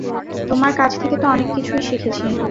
তোমার কাছ থেকে তো অনেক কিছুই শিখেছি।